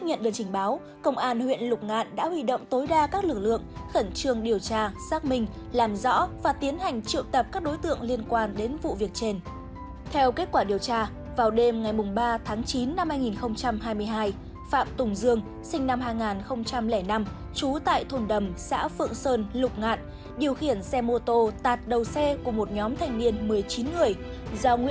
giáo nguyễn như cảnh sinh năm hai nghìn năm trú tại thôn đèo quạt xã lục sơn lục nam cầm đầu